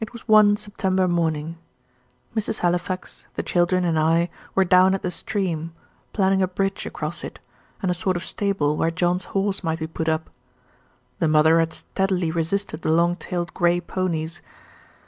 It was one September morning. Mrs. Halifax, the children, and I were down at the stream, planning a bridge across it, and a sort of stable, where John's horse might be put up the mother had steadily resisted the long tailed grey ponies.